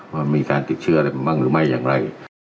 ว่ามีการติดเชื้ออะไรมาบ้างหรือไม่อย่างไร